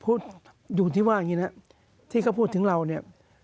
อยู่ที่ว่าอย่างนี้นะที่เขาพูดถึงเราเนี่ย